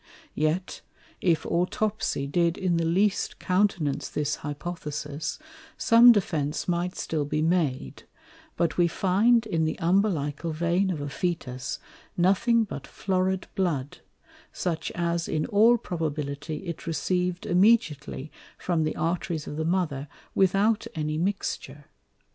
Yet if Autopsie did in the least countenance this Hypothesis, some Defence might still be made; but we find in the Umbilical Vein of a Fœtus nothing but Florid Blood, such as in all probability it received immediately from the Arteries of the Mother without any mixture.